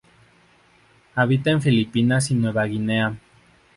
Habita en Filipinas y Nueva Guinea.